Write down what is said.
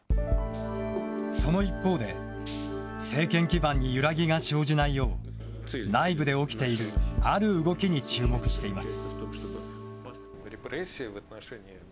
その一方で、政権基盤に揺らぎが生じないよう、内部で起きているある動きに注目しています。